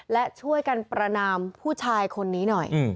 และช่วยกันประนามผู้ชายคนนี้หน่อย